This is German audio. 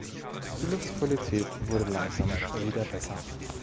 Die Luftqualität wurde langsam wieder besser.